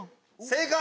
「正解」。